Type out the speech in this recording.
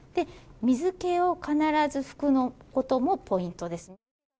水けを必ず拭くこともポイントです。